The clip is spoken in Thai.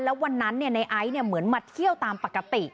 แล้ววันนั้นในไอซ์เหมือนมาเที่ยวตามปกติ